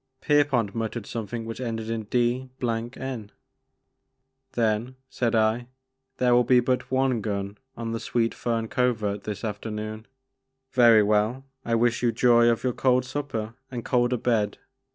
Pierpont muttered something which ended in "d— n." "Then," said I, "there will be but one gun on the Sweet Fern Covert this afternoon. Very well, I wish you joy of your cold supper and colder bed.